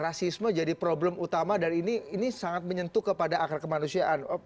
rasisme jadi problem utama dan ini sangat menyentuh kepada akar kemanusiaan